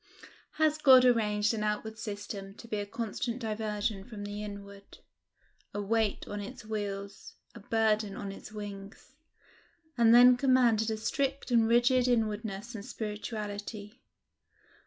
Has God arranged an outward system to be a constant diversion from the inward a weight on its wheels a burden on its wings and then commanded a strict and rigid inwardness and spirituality?